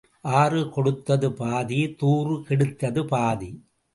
ஆறு கெடுத்தது பாதி தூறு கெடுத்தது பாதி.